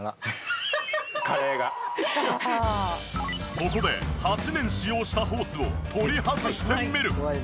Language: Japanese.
そこで８年使用したホースを取り外してみる。